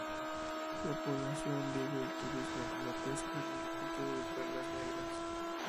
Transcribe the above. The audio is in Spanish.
La población vive del turismo, la pesca y el cultivo de perlas negras.